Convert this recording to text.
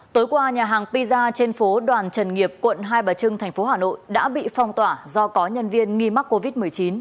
tối qua nhà hàng pizza trên phố đoàn trần nghiệp quận hai bà trưng thành phố hà nội đã bị phong tỏa do có nhân viên nghi mắc covid một mươi chín